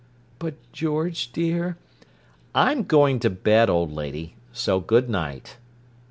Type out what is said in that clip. "But, George, dear—" "I'm going to bed, old lady; so good night."